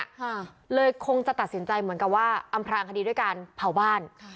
ค่ะเลยคงจะตัดสินใจเหมือนกับว่าอำพลางคดีด้วยการเผาบ้านค่ะ